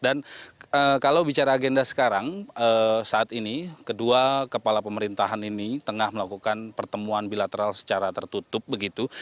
dan kalau bicara agenda sekarang saat ini kedua kepala pemerintahan ini tengah melakukan pertemuan bilateral secara tertutup begitu